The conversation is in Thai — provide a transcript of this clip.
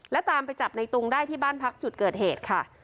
และตามไปจับในตุงได้ที่บ้านพักจุดเกิดเหตุค่ะ